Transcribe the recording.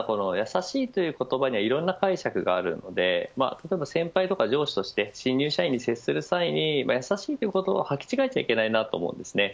ただ、この優しいという言葉にはいろいろな解釈があるので例えば先輩とか上司として新入社員に接する際に優しいという言葉を履き違えてはいけないと思いますね。